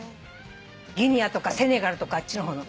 ギニアとかセネガルとかあっちの方の。